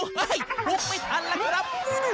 เฮ่ยหลุกไปทันละครับ